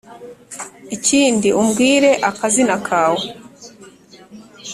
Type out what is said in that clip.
ikindi umbwire akazina kawe